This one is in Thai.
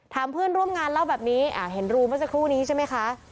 เพื่อนร่วมงานเล่าแบบนี้เห็นรูเมื่อสักครู่นี้ใช่ไหมคะ